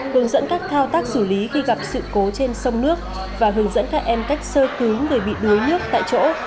hướng dẫn các thao tác xử lý khi gặp sự cố trên sông nước và hướng dẫn các em cách sơ cứu người bị đuối nước tại chỗ